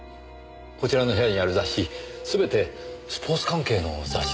こちらの部屋にある雑誌全てスポーツ関係の雑誌ですね。